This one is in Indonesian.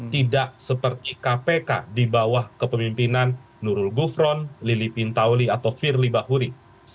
tidak seperti kpk di bawah kepemimpinan nurul gufron lili pintauli atau firly bahuri